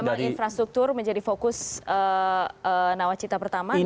jadi memang infrastruktur menjadi fokus nawacita pertama